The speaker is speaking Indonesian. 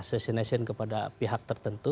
terhormat kepada pihak tertentu